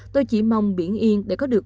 tôi chỉ mong biển yên để có được